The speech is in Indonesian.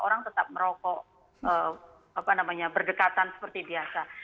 orang tetap merokok apa namanya berdekatan seperti biasa